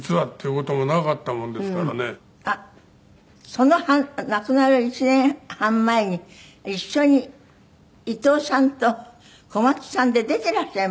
その亡くなる１年半前に一緒に伊東さんと小松さんで出ていらっしゃいますね